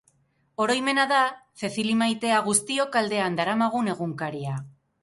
Oroimena da, Cecily maitea, guztiok aldean daramagun egunkaria.